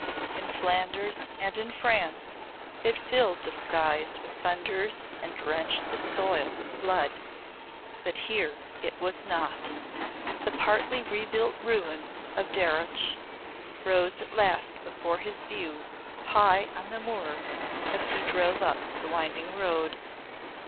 In Flanders and in France it filled the skies with thunders and drenched the soil with blood. But here it was not. The partly rebuilt ruin of Darreuch rose at last before his view high on the moor as he drove up the winding road.